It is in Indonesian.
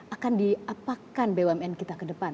akan diapakan bumn kita ke depan